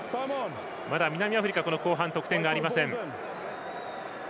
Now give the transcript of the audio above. まだ南アフリカは後半、得点がありません。